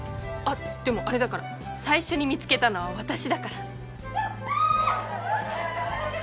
でもあれだから最初に見つけたのは私だから。